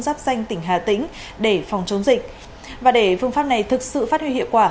giáp xanh tỉnh hà tĩnh để phòng chống dịch và để phương pháp này thực sự phát huy hiệu quả